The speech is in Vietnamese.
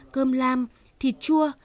cơm lam thịt chua